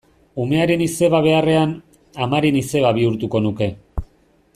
Umearen izeba beharrean, amaren izeba bihurtuko nuke.